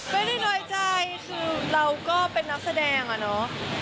ไม่ได้น้อยใจคือเราก็เป็นนักแสดงอะเนาะ